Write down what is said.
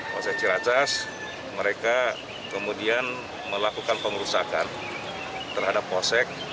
polsek ciracas mereka kemudian melakukan pengerusakan terhadap polsek